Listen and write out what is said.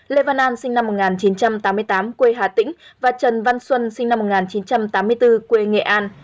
lê văn an sinh năm một nghìn chín trăm tám mươi tám quê hà tĩnh và trần văn xuân sinh năm một nghìn chín trăm tám mươi bốn quê nghệ an